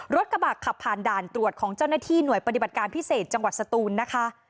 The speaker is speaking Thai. กระบะขับผ่านด่านตรวจของเจ้าหน้าที่หน่วยปฏิบัติการพิเศษจังหวัดสตูนนะคะ